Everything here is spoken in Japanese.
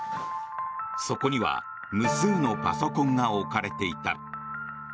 そこには無数のパソコンが置かれていた。